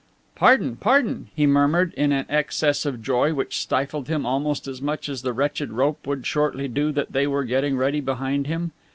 "Pardon, pardon," he murmured, in an excess of joy which stifled him almost as much as the wretched rope would shortly do that they were getting ready behind him.